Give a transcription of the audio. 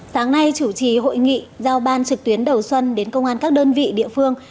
sáng nay chủ trì hội nghị giao ban trực tuyến đầu xuân đến công an các đơn vị địa phương